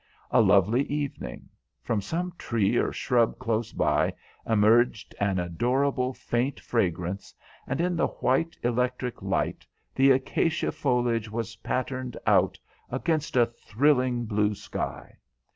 A lovely evening; from some tree or shrub close by emerged an adorable faint fragrance, and in the white electric light the acacia foliage was patterned out against a thrilling, blue sky.